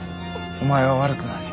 お前は悪くない。